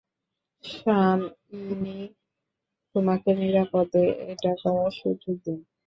সান ইয়ি তোমাকে নিরাপদে এটা করার সুযোগ দিন।